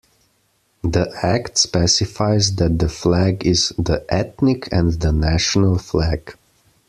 The Act specifies that the flag is "the ethnic and the national flag".